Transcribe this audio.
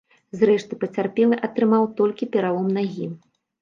Зрэшты, пацярпелы атрымаў толькі пералом нагі.